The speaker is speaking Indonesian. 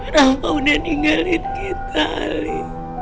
rafa udah ninggalin kita ali